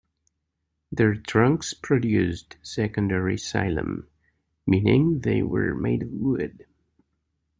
Their trunks produced secondary xylem, meaning they were made of wood.